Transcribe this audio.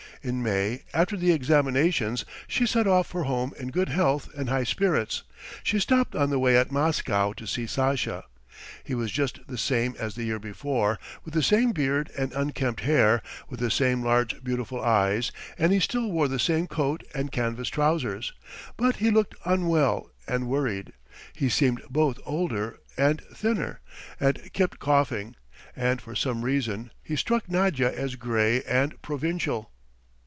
In May after the examinations she set off for home in good health and high spirits, and stopped on the way at Moscow to see Sasha. He was just the same as the year before, with the same beard and unkempt hair, with the same large beautiful eyes, and he still wore the same coat and canvas trousers; but he looked unwell and worried, he seemed both older and thinner, and kept coughing, and for some reason he struck Nadya as grey and provincial.